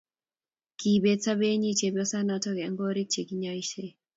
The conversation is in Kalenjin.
kibeet sobetnyi chepsoyanoto eng korik che kinyaishe